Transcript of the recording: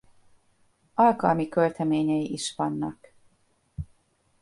Alkalmi költeményei is vannak.